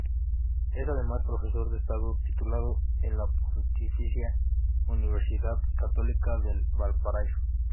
Es, además, profesor de Estado, titulado en la Pontificia Universidad Católica de Valparaíso.